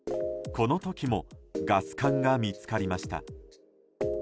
この時もガス缶が見つかりました。